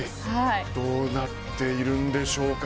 どうなっているんでしょうか。